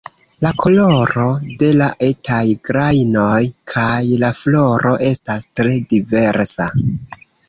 La koloro de la etaj grajnoj kaj la floro estas tre diversa.